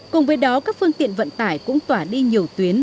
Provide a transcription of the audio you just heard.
cùng với đó các phương tiện vận tải cũng tỏa đi nhiều tuyến